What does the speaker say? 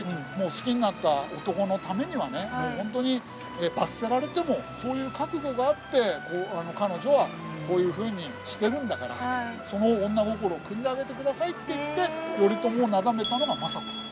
好きになった男のためにはねもうホントに罰せられてもそういう覚悟があって彼女はこういうふうにしてるんだからその女心をくんであげてくださいって言って頼朝をなだめたのが政子さん。